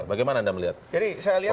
bagaimana anda melihat pemerintahan yang lain